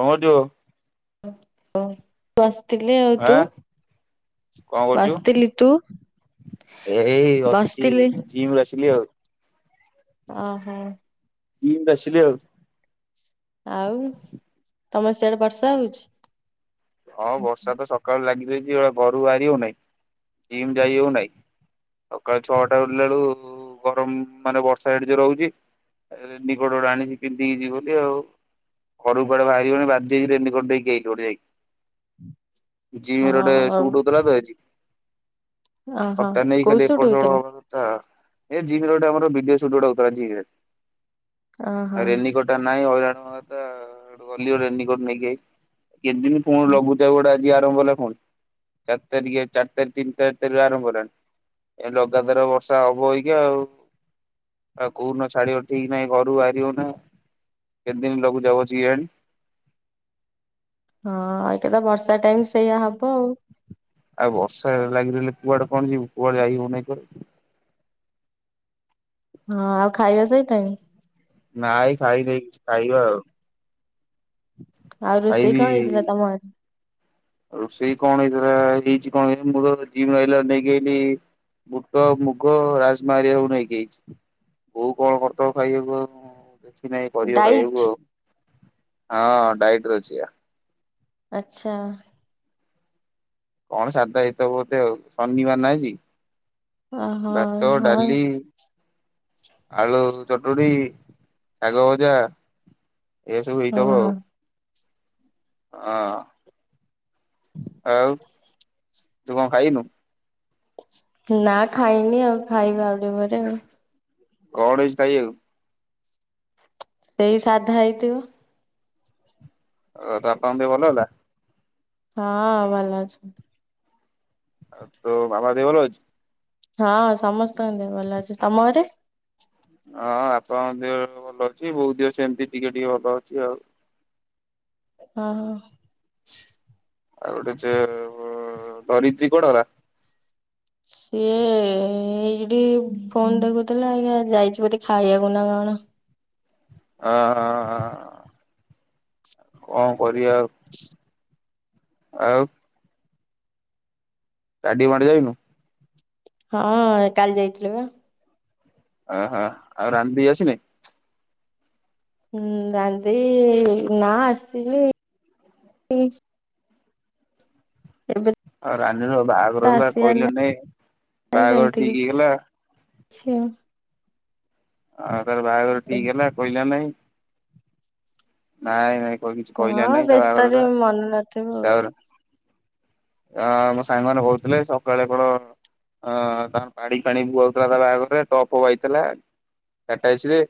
କଣ କରୁଚୁ। [unintelligible] ଥିଲି ଆଉ ତୁ ଆଁ କଣ କରୁଛୁ? ବସିଥିଲି ତୁ? ଏଇ ଅଛି ବସିଥିଲି। ଯିିମରୁ ଆସିଲି ଆଉ। ଓ ହୋ। ବସିଥିଲି ଆଉ। ଆଉ ତମ ସିଆଡେ ବର୍ଷା ହଉଚି? ହଁ ବର୍ଷା ତ ସକାଳୁ ଲାଗିଯାଇଛି ଘରୁ ବାହାରି ହଉନାହିଁ ଜିମ୍ ଯାଇ ହଉନାହିଁ। ସକାଳ ଛଅଟା ବିଲା ବେଳୁ ଗରମ ମାନେ ବର୍ଷା ଏଡେ ଜୋରେ ହଉଚି। ରେନିକୋଟ ଆଣିିଚି ପିନ୍ଧିକି ଯିବ ବୋଲି ଆଉ। ଘରୁ କୁଆଡେ ବାହାରି ହଉନି ବାଧ୍ୟ ହେଇ କି ରେନିକୋଟ ନେଇକି ଆଇଲି ଗୋଟେ ଯାଇକି। ଜିମ୍ ରେ ହଁ ଗୋଟେ ସୁଟ୍ ହଉଥିଲା ତ ଜି ଓହୋ ସପ୍ତାହେ ନେଇ କୋଉ ଖାଲି ଏପଟ ସୁଟ ସପଟ ହଉଥିଲା ହବା କଥା। ଏ ଜିମ୍ ରେ ଗୋଟେ ଆମର ଭିଡିଓ ସୁଟ୍ ଗୋଟେ ହଉଥିଲା ଜିମ୍ ରେ ଓହୋ। ରେନିକୋଟ୍ ଆନ୍ ନାହିଁ ହଇରାଣ ଗଲି ଗୋଟେ ରେନିକୋଟ୍ ନେଇକି ଆଇଲି କେତେଦିନି ପୁଣି ଲଘୁଚାପ ଗୁଡା ଆଜି ଆରମ୍ଭ ହେଲା ପୁଣି ଚାରି ତାରିଖରେ ଚାରି ତାରିଖ ତିନି ତାରଖରୁ ଆରମ୍ଭ ହେଲାଣି। ଏ ଲଗାତାର ବର୍ଷା ହବ ଏଇକା ଆଉ। ଆଉ କଉଦିନ ଛାଡ଼ିିବ ଠିକ ନାଇଁ ଘରୁ ବାହାରି ହଉନାହିଁ। କେତେ ଦିନ ଲଘୁଚାପ ଅଛି କେଜାଣି? ହଁ ଏଇଟା ତ ବର୍ଷା ଟାଇମ୍ ସେଇଆ ହବ ଆଉ ଆଉ ବର୍ଷା ଲାଗି ରହିଲେ କୁଆଡେ କଣ ଯିବୁ କୁଆଡେ ଯାଇ ହଉନାହିଁ ପରା। ହଁ ଆଉ ଖାଇବା ସଇଲାନି? ନାଇଁ ଖାଇନି କିଛି ଖାଇବା ଆଉ। ଆଉ ରୋଷେଇ ଖାଇବି କଣ ହେଇଥିଲା ତମର ଆଜି? ରୋଷେଇ କଣ ହେଇଥିଲା ହେଇଛି କଣ ମୁଁ ତ ଜିମ୍ ରୁ ଆଇଲା ବେଳକୁ ନେଇକି ଆଇଲି ବୁଟ, ମୁଗ, ରାଜମା ହେରିକା ସବୁ ନେଇକି ଆଇଚି। ବୋଉ କଣ କରିଥିବ ଖାଇବାକୁ ନାଇଁ ପରିବା ଡାଇଟ୍ ଖାଇବାକୁ ଆଉ ହଁ ଡାଇଟରେ ଅଛି ପା। ଆଚ୍ଛା। କଣ ସାଧା ହେଇଥିବ ବୋଧେ ଆଉ ଶନିବାର ନା ଆଜି। ଓହୋ ଭାତ, ହଁ। ଡାଲି ଆଳୁ ଚଟଣୀ, ଶାଗ ଭଜା ଏଇରା ସବୁ ହେଇଥିବ ଓହୋ ଆଉ ଆଁ ଆଉ ତୁ କଣ ଖାଇନୁ? ନା ଖାଇନି ଆଉ ଖାଇବା ଆଉ ଟିକେ ପରେ ଆଉ। କଣ ହେଇଚି ଖାଇବାକୁ? ସେଇ ସାଧା ହେଇଥିବ? ଆଉ ତ ବାପାଙ୍କ ଦେହ ଭଲ ହେଲା? ହଁ ଭଲ ଅଛନ୍ତି। ଆଉ ତ ମାମା ଦେହ ଭଲଅଛି? ହଁ, ସମସ୍ତଙ୍କ ଦେହ ଭଲ ଅଛି ।ତମ ଘରେ? ହଁ, ଆପାଙ୍କ ଦେହ ଏବେ ଭଲ ଅଛି। ବୋଉ ଦେହ ସେମିତି ଟିକେ ଟିକେ ଭଲ ଅଛି ଆଉ। ଅ ହ। ଆଉ, ଗୋଟେ ଯେ-ଏ-ଏ ଧରିିତ୍ରୀ କୁଆଡେ ଗଲା? ସିଏ ଏଇ-ଇଠି ଫୋନ୍ ଦେଖୁଥିଲା ଅଇକା ଯାଇଚି, ବୋଧେ ଖାଇବାକୁ ନା କଣ? ଆ ହଁ ହଁ। କଣ କରିବା ଆଉ। ଆଉ, ଷ୍ଟାଡିୟମ୍ ଆଡେ ଯାଇନୁ? ହଁ, କାଲି ଯାଇଥିଲି ବା। ଓହୋ! ଆଉ ରାନ୍ ଦେଇ ଆସିନି? ହୁଁ, ରାନ୍ ଦେଇ ନା, ଆସିନି। ଏବେ ଆଉ ରାନୀର ତ ବାହାଘର ହେଲା। ଆସିବାର କହିଲ ନି? ବାହାଘର ଠିକ୍ ହେଇଗଲା। ଛିଣ ଆଉ, ତାର ବାହାଘର ଠିକ୍ ହେଲା କହିଲା ନାଇଁ। ନାଇଁ ନାଇଁ କ-କିଛି କହିଲା ହଁ ନାଇଁ, ତା ବାହାଘର ବ୍ୟସ୍ତରେ କଥା। ମନେ ନଥିବ ଆଉ। ତା'ପରେ ଆ ମୋ ସାଙ୍ଗମାନେ କହୁଥିଲେ, ସକାଳେ କଣ? ହଁ, ତାଙ୍କର ପାଣି ଫାଣି ବୁହାଉଥିଲା ତା ବାହାଘରରେ ଟପ୍ ଫପ୍ ଆଇଥିଲା। ଟାଟା ଏସି ରେ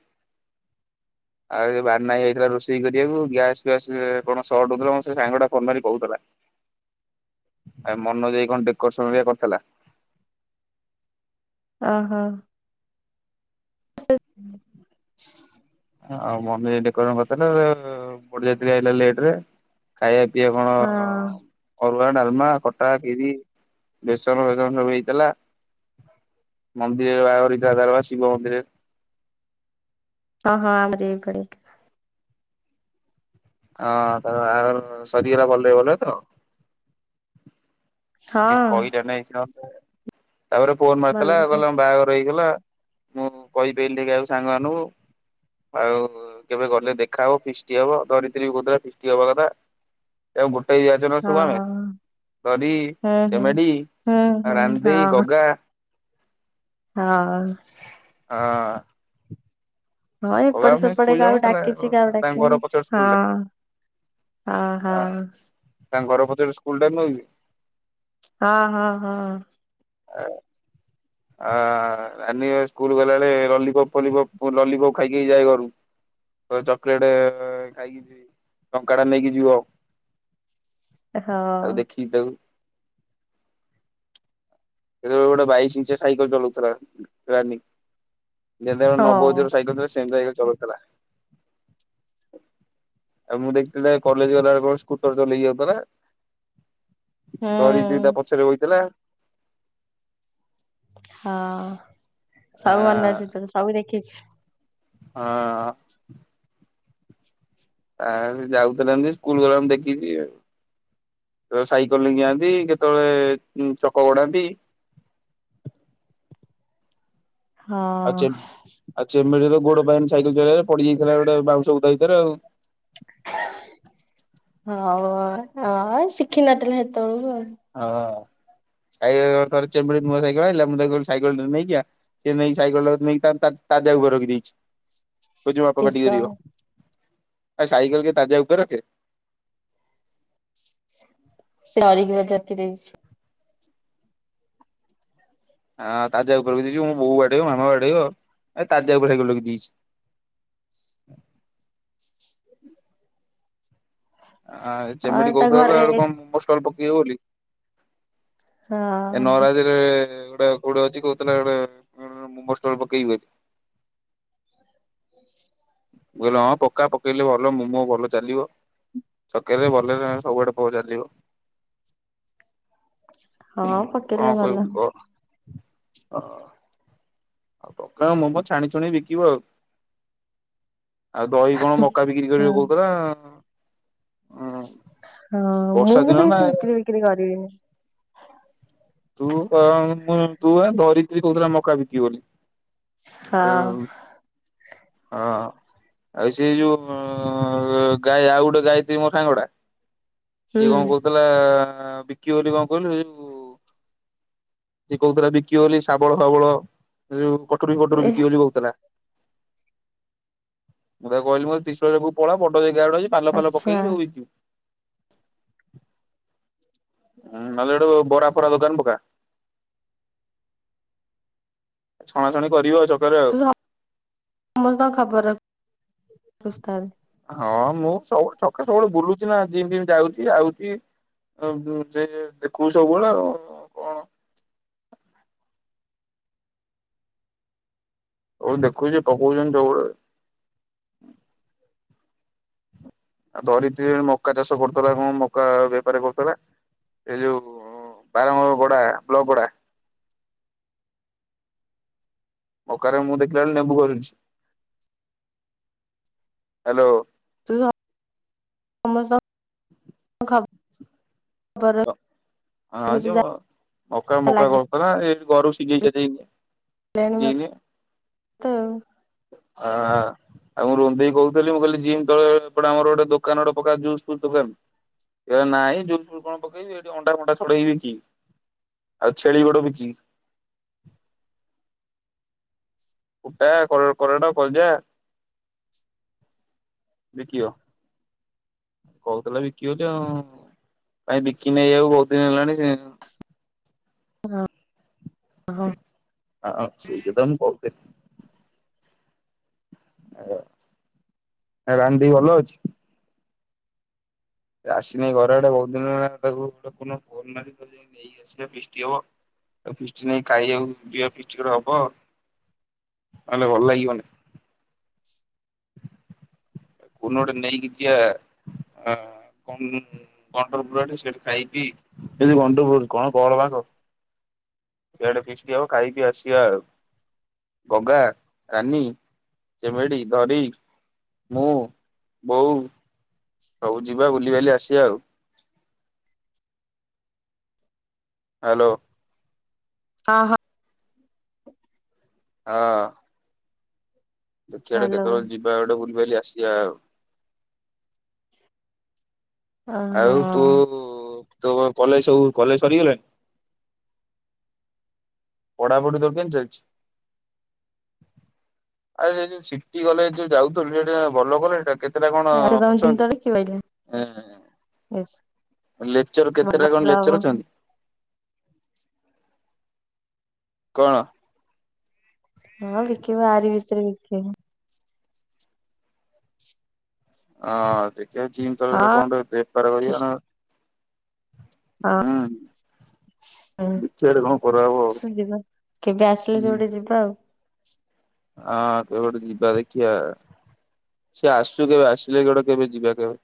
ଆଉ, ଏ ବାନାହାଇ ଆଇଥିଲା ରୋଷେଇ କରିବାକୁ ଗ୍ୟାସ୍ ଫ୍ୟାସ୍ କଣ ସଟ୍ ହଉଥିଲା। ମୋର ସେ ସାଙ୍ଗଟା ଫୋନ୍ ମାରି କହୁଥିଲା। ଆ ମନଜ୍ ହାଇ କଣ ଡେକରସନ୍ ହେରିକା କରିଥିଲା? ଅ ହ। ସେ ଉଁ। । ଆଉ ମମି [unintelligible] ପଡିଯାଇଥିଲି, ଆଇଲା ଲେଟରେ। ଖାଇବା ଇଏ କଣ ହଁ ଅ ରୁଆ, ଡାଲମା, ଖଟା, ଖିରି, ବେସର, ଫେଶର ସବୁ ହେଇଥିଲା। ମନ୍ଦିରରେ ବାହାଘର ହେଇଥିଲା, ତାର ପା ଶିବ ମନ୍ଦିରରେ। ହଁ, ହଁ ଆମର ଏଇ କଡେ ହେଇଥିଲା। ହଁ, ତାର ବାହାଘର ସରିଗଲା ଭଲ ରେ ଭଲ ରେ ତ! ଏ ହଁ କହିଲା ନାଇଁ, ସେ ମୋତେ! ତା'ପରେ ଫୋନ୍ ମାରିଥିଲା। ଭଲରେ ଆଉ ସବୁ କହିଲା ମୁଁ ବାହାଘର ହେଇ ଗଲା। ମୁଁ କହିପାଇଲି ନାହିଁ କାହାକୁ ସାଙ୍ଗମାନଙ୍କୁ। ଆଉ କେବେ ଗଲେ, ଦେଖାହବ, ଫିଷ୍ଟି ହବ, ଧରିତ୍ରୀ ବି କହୁଥିଲା ଫିଷ୍ଟି ହବା କଥା। ଆଉ, ଗୋଟାଏ ବ୍ୟାଚ୍ ନୁହଁ ସବୁ ଆମେ! ହଁ ତରି ହୁଁ ହୁଁ ଚେମେଡି, ହୁଁ ହୁଁ ରାନ୍ନଦେଇ, ହଁ ଗଗା ହଁ। ହଁ ହଁ, ଗଗା ଏପଟେ ଆମ ସାଙ୍ଗେ ସେପଟେ ସ୍କୁଲ କାକୁ ଯାଉନଥିଲା ଡାକିଛି। କାକୁ ତାଙ୍କ ଘର ଡାକିନି ପଛପଟ ହଁ। ସ୍କୁଲ ହଁ, ହଁ। ତାର ସ୍କୁଲ୍ ଟାଇମ୍ ନୁହଁ କିସେ। ହଁ, ହଁ, ହଁ। [inaudible] ରାନି ଏ ସ୍କୁଲ ଗଲାବେଳେ ଲଲିପପ୍ ଫିଲିପପ୍ ଲଲିପପ୍ ଖାଇ ଖାଇ ଯାଏ ଘରୁ। କହେ ଚକ୍ଲେଟେ ଖାଇକି ଯିବି। ଟଙ୍କା ଟା ନେଇକି ଯିବ। ହଁ ହଁ। ତାକୁ, ଦେଖିଚି ତାକୁ। [unintelligible] ବେଳେ ଗୋଟେ ବାଇଶ ଇଞ୍ଚିଆ ସାଇକେଲ ଚଲଉଥିଲା ରାନୀ। ଯେ [unintelligible] ହୁଁ ନବ ଉଜର ସାଇକେଲ ଥିଲା। ସେମତି ସାଇକେଲ ଚଲଉଥିଲା। ଆଉ, ମୁଁ ଦେଖଥିଲି, ତାକୁ କଲେଜ ଗଲା ବେଳେ କଣ ସ୍କୁଟର ଚଲେଇ କି ଯାଉଥିଲା? ଧରିତ୍ରି ତା ପଛରେ ବଇଥିଲା। ହଁ ଆ ସବୁ ମନେ ଅଛି ତର ସବୁ ଦେଖିଛି। ହଁ। ଆ ସେ ଯାଉଥିଲା ଏମିତି ସ୍କୁଲ ଗଲା ବେଳେ ମୁ ଦେଖିଛି। ବେଳେ ସାଇକେଲ ନେଇକି ଯାଆନ୍ତି କେତେବେଳେ ଚକ ଉଁ ଗଡ଼ାନ୍ତି। [unintelligible] ହଁ ଆ ଚେମ୍- ଚେମୀଡ଼ି ର ଗୋଡ ପାଏନି ସାଇକେଲ ଚଲେଇଲା ବେଳେ ପଡି ଯାଇଥିଲା ଗୋଟେ ବାଉଁଶ ବୁଦା ଭିତରେ ଆଉ। [unintelligible] ହଉ ଶିଖିନଥିଲେ ସେତେବେଳକୁ ଆଉ। ହଁ। ଆ ଆଆ ଚେମିଡି ନୂଆ ସାଇକେଲ ଆଣିଲା ମୁଁ ତାକୁ କଇଲି ନେଇକି ସେ ନେଇକି ସାଇକେଲ୍ ଟାକୁ ନେଇକି ତା ଟା ତା ତାାକୁ ଘରଖି ଦେଇଛି ବଝ ବାପା କଟି କିସ କରିବ। ଆ ସାଇକଲ କେ ତାଜା ଉପରେ ରଖେ। ସେରିକିତି ଦେଇଛି। ହଁ ତାଜା ଉପରେଖି ଦେଇଛି ମୋ ବୋଉ ବାଡେଇବ ମାମା ବାଡେଇବ ଏ ତାଜା ଉପରେକ ଲେଇ ଦେଇଛି। ହ ଆ ହଁ ଯେମିତି ତା କହୁଥିଲା ତ ଘରେ ଆଡେ କଣ ମୋ ଷ୍ଟଲ ପକେଇବ ବୋଲି। ଏ ହଁ ନରାତିରେ। ଟେ କୋଉଠେ ଅଛି କହୁଥିଲେ ଏେ ମୁମଟ ପକେଇବ ବୋଲି ବୁିଲ ହଁ ପକ୍କା ପକେଇଲେ ଭଲ ମୁମୋ ଭଲ ଚାଲିବ ଛକେରେ ଭଲରେ ସବୁଆଡେ ପ ଚାଲିବ। ହଁ ପକେଇଲେ ଭଲ। ଅଁ ଓ। ଆଉ ପକା ମୋମୋ ଛାଣିଛୁଣି ବିକିବ ଆଉ। ଆଉ ଦହି କଣ ମକା ବିକ୍ରି କରିବ ହଁ କହୁଉଥିଲା। ହଁ ବର୍ଷା ମୁଁ କି ଦିନ ତ ନା କିଛି ବିକ୍ରି ବିକ୍ରି କରିବିନି ତୁ ମୁ ତୁ ଧରିତ୍ରୀ କହୁଥିଲା ମକା ବିକି ବୋଲି। ହଁ। ହଁ। ଆଉ ସେ ଯୋଉ ଉଁଁଁ ଗାଈ ଆଉ ଗୋଟେ ଗାଈତ୍ରୀ ମୋ ଠସାଙ୍ଗଟା। ସିଏ ହୁଁ। କଣ କହୁଥିଲା ବିକି ବୋଲି କଣ କହିଲ ଯଉ ଯଏ କହୁଥିଲା ବିକି ଶାବଳ ଫାବଳ ଉ କଟ ଏ ପଟରୁିକି ବୋଲି କହୁଥିଲା। ମୁଁ ତାକୁ କହିଲି ମତେ ତିିଶୁଳ ପାଖକୁ ପଳା ବଡ ଯାଇକି। ଗଡଛି ପାଲ ଫାଲ ଆଚ୍ଛା ପକେଇକି ସବୁ ହେଇଯିବ। ହଁ ନଡୁ ବରା ଫରା ଦୋକା [unintelligible] ଛଣାଛଣି କରିବ । ତ ସମ ଖବର ରଖ [unintelligible] ହଁ ମୁଁ ସବୁ ଛକ ସବୁବେଳେ ବୁଲୁଛି ନା ଯେମତି ଯାଉଛି ଆଉଛି। ଆ ସେ ଦେଖୁ ସବୁବେଳେ ଆଉ କଣ। ଆଉ ଦେଖୁଛି ପକଉଛନ୍ତି ଯଟେ ଆଉ ଧରିତ୍ରୀ ମକା ଚାଷ କରୁଥିଲା କଣ ମକା ବେପାର କରୁଥିଲା ଏଇ ଯୋଉ ବାରମ କୋଡା ପ୍ଲପୁଡା। ମକାରେ ମୁଁ ଦେଖିଲା ବେଳଳେ ନେବୁ କରୁଛି ହ୍ୟାଲୋ। ତୁ ସମସ୍ତଙ୍କ ଖବର ହଁ ରଖୁଛୁ ଯଉ ଯାହା ମକା ମକା ଲାଗି କରୁଥିଲ ନା ଏ ଗୋରବ ସିଝେଇ ଚତେଇି। ଲେଣ ତ। ହଁ ହଁ। ଆଉ ମୁଁ ରନ୍ଧେଇ କହୁଥିଲି ମୁଁ କହିଲି ତଟେ ଆମର ଗୋଟେ ଦୋକାନ ଗୋଟେ ଫୋକାନ। ନହିଁ ଯୋଉ କଣ। ପକେଇବି ଏଠି ଅଣ୍ଡା ଫଣ୍ଡା ଛଡେଇ ହେଇବି କି ଆଉ ଛେଳି ଗଡ ବି କି। [inaudible] ଗୋଟା କ କଲରା ଟା ଭଜା। ବିକିିବ। କହୁଥିଲା ବିକିିବ ଯେ ଭାଇ ବିକି ନେଇବାକୁ ବହୁତ ଦିନ ହେଲାଣି ସେ ହଁ। ହଁ ସେଇକଥା ମୁଁ କହୁଥିଲି। ଆ ରାନି ଦି ଭଲ ଅଛି। ଆସିନି ଘର ଆଡେ ବହୁତ ଦିନ ହେ ତାକୁ [unintelligible] ନେଇକି ଆସିଲେ ଫିଷ୍ଟ ହବ। ଆଉ ଫିଷ୍ଟି ନାଇ ଖାଇ ଆଉ ଯିବା ଫିଷ୍ଟ ଗୋଟେ ହବ ଆଉ। ନହେଲେ ଭଲ ଲାଗିବନି। [inaudible] କୋଉଦିନ ଗୋଟେ ନେଇକି ଯିବା। ଅ [unintelligible] କଣ୍ଟଲପୁର ଆଡ଼େ ସେଠି ଖାଇ ପିଇ। [unintelligible] ସିଆଡେ ଫିଷ୍ଟ ହବ ଖାଇକି ଆସିବ ଆଉ। ଗଗା, ରାନୀ, ଚେମେଡି, ଧଡି ମୁଁ, ବୋଉ ସବୁ ଯିବା ବୁଲିିବାଲି ଆସିବା ଆଉ। ହ୍ୟାଲୋ। ହଁ ହଁ। ହଁ। ଦେଖିଆ ଗୋଟେ ହ୍ୟାଲୋ କେତେବେଳଳେ ଯିବା ବୁଲି ବାଲି ଆସିବା ଆଉ। ଓହୋ ଆଉ ତୁ ତୋ କଲେଜ ସବୁ କଲେଜ ସରିଗଲାଣି? ପଢାପଢ଼ି ତୋର କେମିତି ଚାଲିଚି? ଆରେ ସେ ଯୋଉ ସିଟି କଲେଜ ଯୋଉ ଯାଉଥିଲୁ ସେଟା ଭଲ କଲେଜ ଟା। କେ କେତେଟା କଣ ଆଚ୍ଛା ତମେ ଅଛନ୍ତି? ଜିନିଷ ବିକି ପାଇଲ ବେଶ ଅ ଲେକ୍ଚର କେତେଟା ଭଲ କଣ ଲାଭ ଲେକ୍ଚର ଅଛନ୍ତି? କଣ? ହଁ ବିକିବ ଆରି ଭିତରେ ବିକିବ। ଦେଖିଆ ଜିମ୍ ତଳେ କଣ ହଁ। ଗୋଟେ ବେପାର କରିବା ନା । ହଁ ଦେଖିବା ଗୋଟେ କଣ କରାହବ ଆଉ। ହୁଁ। ଯିବା କେବେ ଆସିଲେ ଯଉଟେ ଯିବା ଆଉ। ହଁ କେବେ ଗୋଟେ ଯିବା ଦେଖିଆ। ସେ ଆସୁ କେବେ ଆସିଲେ କେବେ ଗୋଟେ ଯିବା କେବେ?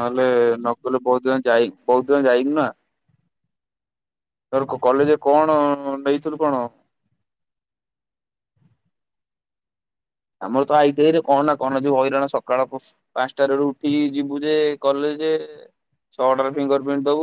ନହେଲେ ନକୁଲୁ କହୁଥିଲା ଯାଇ କହୁଥିଲା ଯାଇନୁ ନା। ତୋର କଲେଜରେ କଣ ନେଇଥିଲୁ କଣ? ଆମର ତ ଆଇଟିଆଇ ରେ କଣ ନା କଣ ଯୋଉ ହଇରାଣ ସକାଳ ପାଞ୍ଚଟା ରୁ ଉଠିକି ଯିବୁ ଯେ କଲେଜ ଯେ ଛଅଟାରେ ଫିଙ୍ଗର ପ୍ରିଣ୍ଟ ଦବୁ।